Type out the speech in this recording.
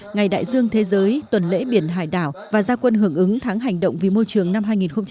ngày đại dương thế giới tuần lễ biển hải đảo và gia quân hưởng ứng tháng hành động vì môi trường năm hai nghìn hai mươi